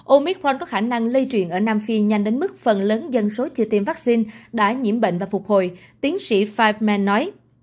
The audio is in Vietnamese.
omicron có khả năng lây truyền ở nam phi nhanh đến mức phần lớn dân số chưa tiêm vắc xin đã nhiễm bệnh và phục hồi tiến sĩ feynman nói